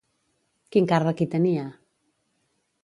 Quin càrrec hi tenia?